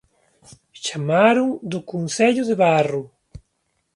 Chamaron do Concello de Barro